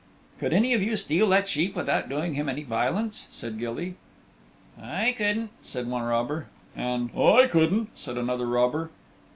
"Could any of you steal that sheep without doing him any violence?" said Gilly. "I couldn't," said one robber, and "I couldn't," said another robber.